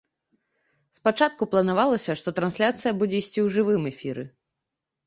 Спачатку планавалася, што трансляцыя будзе ісці ў жывым эфіры.